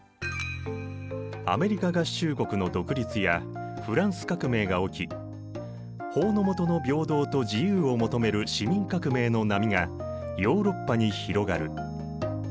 アメリカ合衆国の独立やフランス革命が起き法の下の平等と自由を求める市民革命の波がヨーロッパに広がる。